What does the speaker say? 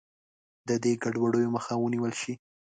د دې ګډوډیو مخه ونیول شي.